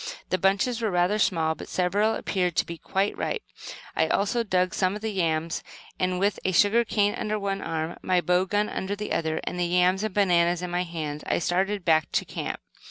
The bunches were rather small, but several appeared to be quite ripe. I also dug some of the yams, and with a sugar cane under one arm, my bow gun under the other, the yams and bananas in my hands, I started back to the camp.